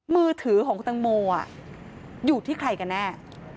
มือถือของคุณตังโมอยู่ที่ใครกันแน่